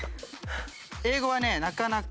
英語はねなかなか。